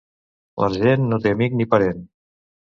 L'argent no té amic ni parent.